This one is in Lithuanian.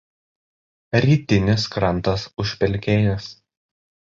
Rytinis krantas užpelkėjęs.